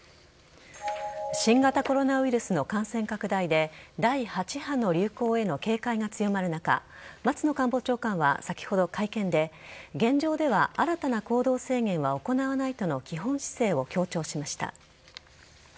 新型コロナウイルスの感染拡大で第８波の流行への警戒が強まる中松野官房長官は先ほど、会見で現状では新たな行動制限は行わないとの基本姿勢を強調しました。